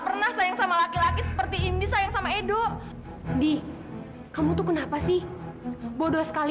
pernah sayang sama laki laki seperti ini sayang sama edo di kamu tuh kenapa sih bodoh sekali